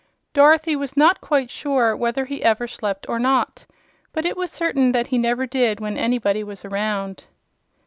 Dorothy was not quite sure whether he ever slept or not, but it was certain that he never did when anybody was around.